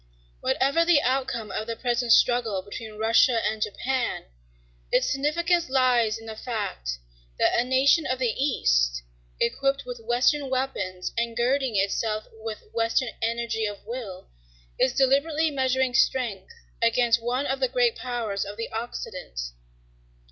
Whatever the outcome of the present struggle between Russia and Japan, its significance lies in the fact that a nation of the East, equipped with Western weapons and girding itself with Western energy of will, is deliberately measuring strength against one of the great powers of the Occident.